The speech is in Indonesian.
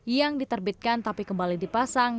yang diterbitkan tapi kembali dipasang